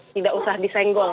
tidak usah disenggol